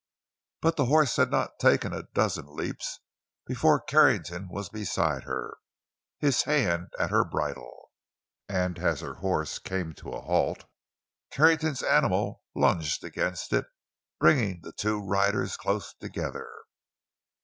But the horse had not taken a dozen leaps before Carrington was beside her, his hand at her bridle. And as her horse came to a halt, Carrington's animal lunged against it, bringing the two riders close together.